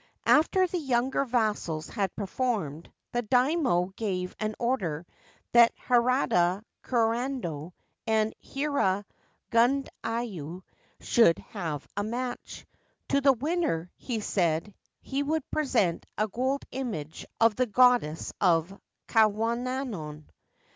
After the younger vassals had performed, the Daimio gave an order that Harada Kurando and Hira Gundayu should have a match. To the winner, he said, he would present a gold image of the Goddess of Kwannon.